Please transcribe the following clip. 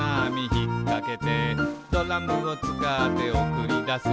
ひっかけて」「ドラムをつかっておくりだす」